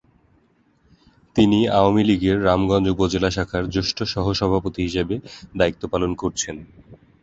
তিনি আওয়ামী লীগের রামগঞ্জ উপজেলা শাখার জ্যেষ্ঠ সহ-সভাপতি হিসেবে দায়িত্ব পালন করছেন।